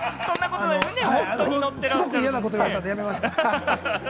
すごく嫌なこと言われたんでやめました。